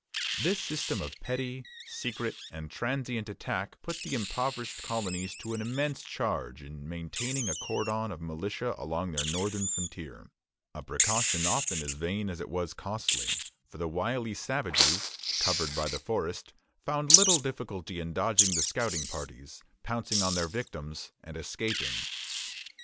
This system of petty, secret, and transient attack put the impoverished colonies to an immense charge in maintaining a cordon of militia along their northern frontier, a precaution often as vain as it was costly; for the wily savages, covered by the forest, found little difficulty in dodging the scouting parties, pouncing on their victims, and escaping.